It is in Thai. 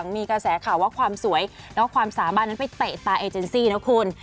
มีกระแสข่าวว่าความสวยแล้วความสามารถนั้นไปเตะตาเอเจนซี่นะคุณ